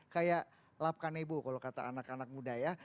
kayak lapkan ibu kalau kata anak anak muda ya